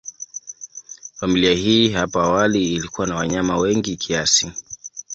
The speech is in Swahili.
Familia hii hapo awali ilikuwa na wanyama wengi kiasi.